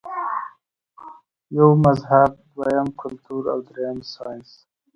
يو مذهب ، دويم کلتور او دريم سائنس -